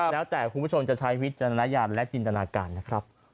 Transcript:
แล้วแต่คุณผู้ชมจะใช้วิจารณญาณและจินตนาการนะครับ